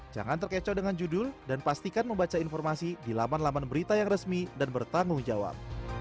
jangan terkecoh dengan judul dan pastikan membaca informasi di laman laman berita yang resmi dan bertanggung jawab